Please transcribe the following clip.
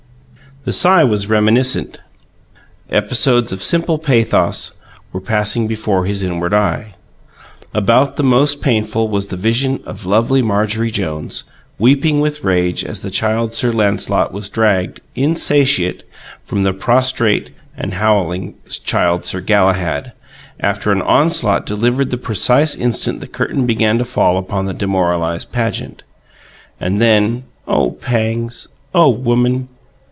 The sigh was reminiscent: episodes of simple pathos were passing before his inward eye. About the most painful was the vision of lovely Marjorie Jones, weeping with rage as the Child Sir Lancelot was dragged, insatiate, from the prostrate and howling Child Sir Galahad, after an onslaught delivered the precise instant the curtain began to fall upon the demoralized "pageant." And then oh, pangs! oh, woman!